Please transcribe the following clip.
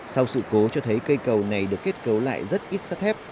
sau sự cố cho thấy cây cầu này được kết cấu lại rất ít sắt thép